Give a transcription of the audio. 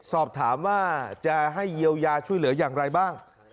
สอบถามว่าจะให้เยียวยาช่วยเหลืออย่างไรบ้าง